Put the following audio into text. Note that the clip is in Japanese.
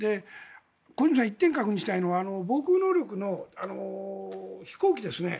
小泉さん、１点確認したいには防空能力の飛行機ですね。